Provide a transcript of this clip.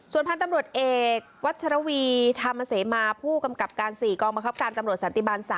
ส่วนพันธุ์ตำรวจเอกวัชรวีธรรมเสมาผู้กำกับการ๔กองบังคับการตำรวจสันติบาล๓